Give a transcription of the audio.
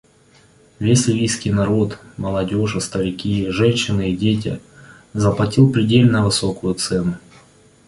Весь ливийский народ — молодежь и старики, женщины и дети — заплатил предельно высокую цену.